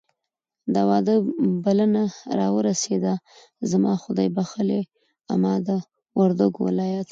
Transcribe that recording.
د واده بلنه راورسېده. زما خدایبښلې عمه د وردګو ولایت